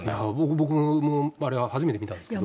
僕もあれは初めて見たんですけど。